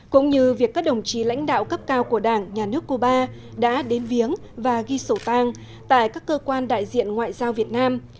cũng như việc các đồng chí lãnh đạo cấp cao của đảng nhà nước cuba đã đến viếng và ghi sổ tang tại các cơ quan đại diện ngoại giao việt nam